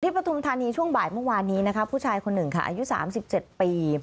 ปฐุมธานีช่วงบ่ายเมื่อวานนี้นะคะผู้ชายคนหนึ่งค่ะอายุ๓๗ปี